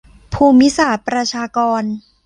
ภูมิศาสตร์ประชากร